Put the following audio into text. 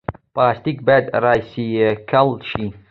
پلاستیک باید ریسایکل شي